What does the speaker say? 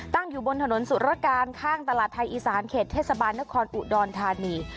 ตั้งอยู่บนถนนสุรการข้างตลาดไทยอีสานเขตเทศบาลนครอุดรธานี